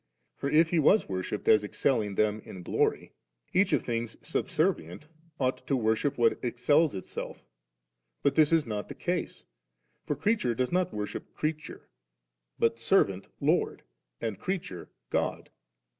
For if He was worshipped as excelling them in glory, each of things subservient ought to worship what excels itselfl But this is not the case 3 ; for creature does not worship creature, but servant Lord, and creature God.